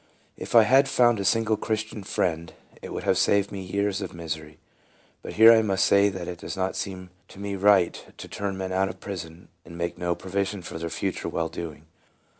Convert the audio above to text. If I had found a single Christian friend it would have saved me years of misery. And here I must say that it does not seem to me right to turn men out of pris on, and make no provision for their future well doing.